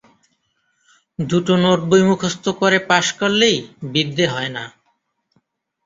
দুটো নোটবই মুখস্থ করে পাস করলেই বিদ্যে হয় না।